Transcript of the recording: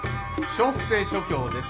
笑福亭松喬です。